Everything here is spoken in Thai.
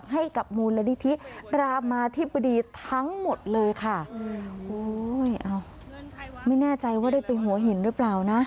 หมดเลยค่ะโอ้ยไม่แน่ใจว่าได้เป็นหัวเห็นหรือเปล่านะ